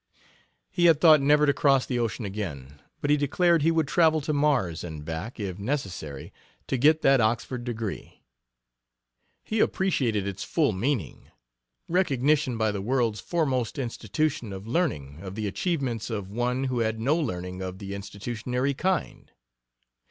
He had thought never to cross the ocean again, but he declared he would travel to Mars and back, if necessary, to get that Oxford degree. He appreciated its full meaning recognition by the world's foremost institution of learning of the achievements of one who had no learning of the institutionary kind.